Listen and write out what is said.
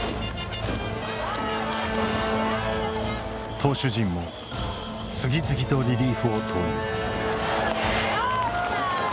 投手陣も次々とリリーフを投入。